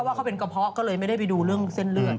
ว่าเขาเป็นกระเพาะก็เลยไม่ได้ไปดูเรื่องเส้นเลือด